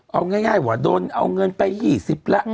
เอาง่ายว่าโดนเอาเงินไป๒๐ละ